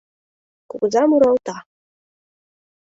Кугыза муралта: